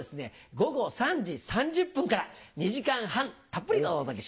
午後３時３０分から２時間半たっぷりとお届けします。